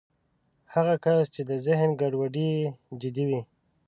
هغه کسان چې د ذهن ګډوډۍ یې جدي وي